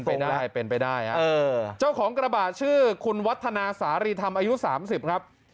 เป็นได้เป็นไปได้เจ้าของกระบะชื่อคุณวัฒนาสารีธรรมอายุ๓๐ครับ